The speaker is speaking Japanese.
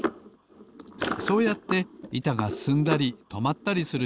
そうやっていたがすすんだりとまったりする